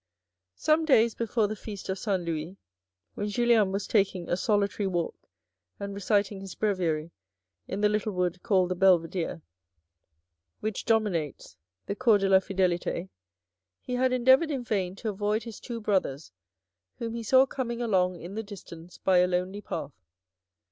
Some days before the feast of St. Louis, when Julien was taking a solitary walk and reciting his breviary in the little wood called the Belvedere, which dominates the Cours de la 36 THE RED AND THE BLACK Fidelite, he had endeavoured in vain to> avoid his two brothers whom he saw coming along in the distance by a lonely path.